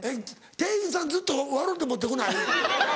店員さんずっと笑うて持って来ない？